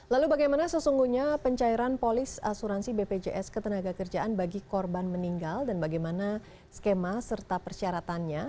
lalu bagaimana sesungguhnya pencairan polis asuransi bpjs ketenaga kerjaan bagi korban meninggal dan bagaimana skema serta persyaratannya